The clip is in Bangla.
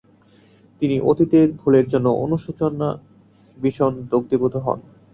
তিনি অতীতের ভুলের জন্য অনুশোচনায় ভীষণ দগ্ধিভূত হন।